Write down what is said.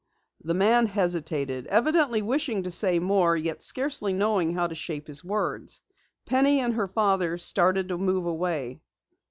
The man hesitated, evidently wishing to say more, yet scarcely knowing how to shape his words. Penny and her father started to move away.